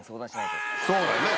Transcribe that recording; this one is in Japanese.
そうだよね